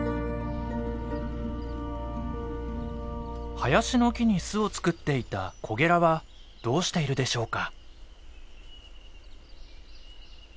林の木に巣を作っていたコゲラはどうしているでしょうか。